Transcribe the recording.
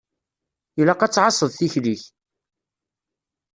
Ilaq ad tɛasseḍ tikli-k.